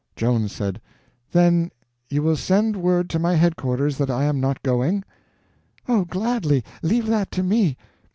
Joan said: "Then you will send word to my headquarters that I am not going?" "Oh, gladly. Leave that to me."